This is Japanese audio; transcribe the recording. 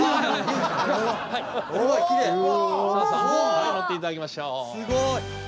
はい乗って頂きましょう。